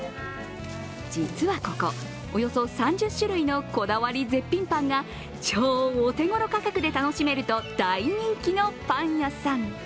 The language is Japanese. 実はここ、およそ３０種類のこだわり絶品パンが超お手ごろ価格で楽しめると大人気のパン屋さん。